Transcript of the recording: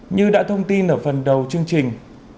như đã thông tin ở phần đầu chương trình